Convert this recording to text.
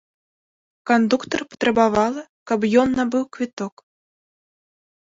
Кандуктар патрабавала, каб ён набыў квіток.